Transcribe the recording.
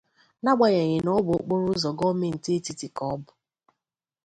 n'agbanyèghị na ọ bụ okporoụzọ gọọmenti etiti ka ọ bụ.